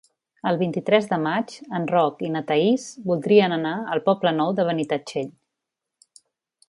El vint-i-tres de maig en Roc i na Thaís voldrien anar al Poble Nou de Benitatxell.